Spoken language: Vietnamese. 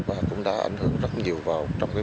và cũng đã ảnh hưởng rất nhiều vào trọng lượng